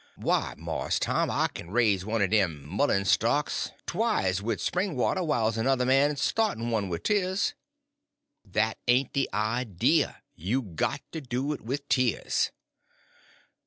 "Why, Mars Tom, I lay I kin raise one er dem mullen stalks twyste wid spring water whiles another man's a start'n one wid tears." "That ain't the idea. You got to do it with tears."